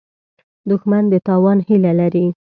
دښمن د تاوان هیله لري